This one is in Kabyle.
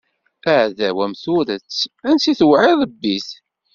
Aɛdaw am turet, ansi tewɛiḍ bbi-t.